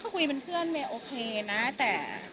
คุยเป็นเพื่อนเมย์โอเคนะแต่